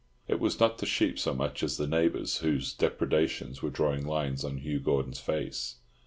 It was not the sheep so much as the neighbours whose depredations were drawing lines on Hugh Gordon's face.